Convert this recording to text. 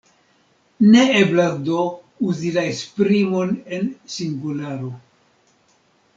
Ne eblas do uzi la esprimon en singularo.